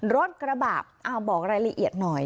รถกระบะบอกรายละเอียดหน่อย